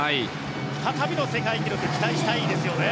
再びの世界記録期待したいですよね。